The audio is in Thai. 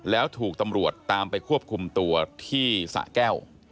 แล้วถูกตำรวจตามไปควบคุมตัวที่สะแก้ว